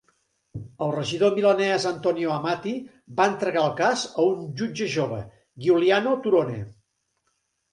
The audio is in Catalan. El regidor milanès Antonio Amati va entregar el cas a un jutge jove, Giuliano Turone.